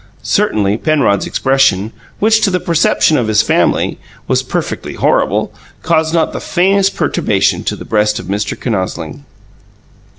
Certainly Penrod's expression which, to the perception of his family, was perfectly horrible caused not the faintest perturbation in the breast of Mr. Kinosling.